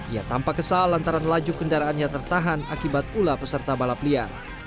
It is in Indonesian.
ia tampak kesal antara laju kendaraannya tertahan akibat ulah peserta balap liar